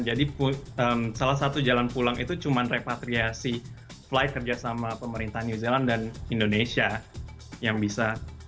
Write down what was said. jadi salah satu jalan pulang itu cuma repatriasi flight kerja sama pemerintah new zealand dan indonesia yang bisa